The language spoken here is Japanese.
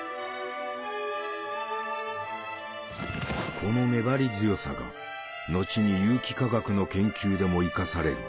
この粘り強さが後に有機化学の研究でも生かされる。